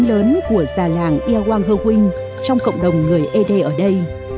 ấn của gia làng ia quang hơ quynh trong cộng đồng người ede ở đây